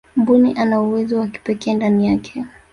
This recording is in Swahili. mbuni ana uwezo wa kipekee ndani yake